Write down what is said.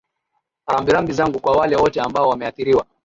rambirambi zangu kwa wale wote ambao wameathiriwa